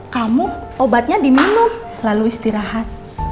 kamu obatnya diminum lalu istirahat